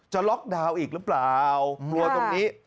ล็อกดาวน์อีกหรือเปล่ากลัวตรงนี้